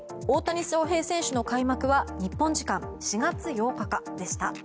大谷翔平選手の開幕は日本時間４月８日かでした。